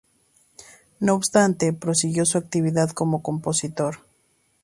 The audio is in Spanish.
No obstante, prosiguió su actividad como compositor.